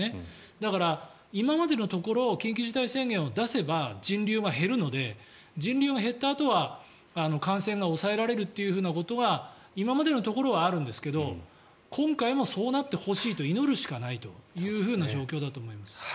だから、今までのところ緊急事態宣言を出せば人流が減るので人流が減ったあとは感染が抑えられるということが今までのところはあるんですけど今回もそうなってほしいと祈るしかないというふうな状況だと思います。